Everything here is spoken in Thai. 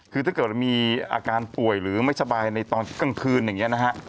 คือถ้าเกิดมีอาการป่วยหรือไม่สบายในตอนกลางคืนอย่างนี้นะฮะ